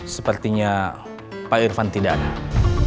sepertinya pak irfan tidak ada